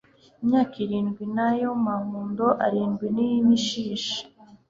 imyaka irindwi na ya mahundo arindwi y imishishi